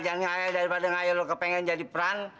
jangan ngaya daripada ngayal lo kepengen jadi peran